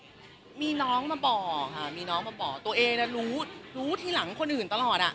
ก็มีน้องมาบอกค่ะมีน้องมาบอกตัวเองรู้รู้ทีหลังคนอื่นตลอดอ่ะ